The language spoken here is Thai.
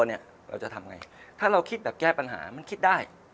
เราจะทำอย่างไรถ้าเราแก้ปัญหามันคิดได้